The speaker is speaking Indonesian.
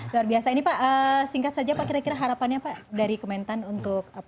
luar biasa ini pak singkat saja pak kira kira harapannya pak dari kementan untuk